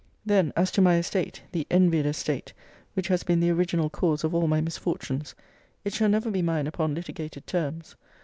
Then as to my estate, the envied estate, which has been the original cause of all my misfortunes, it shall never be mine upon litigated terms.